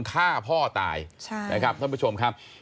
ฆ่าพ่อตายนะครับท่านผู้ชมครับ